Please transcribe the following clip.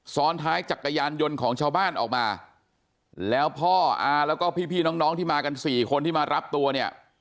ซ้อนท้ายจักรยานยนต์ของชาวบ้านออกมาแล้วพ่ออาแล้วก็พี่น้องน้องที่มากันสี่คนที่มารับตัวเนี่ย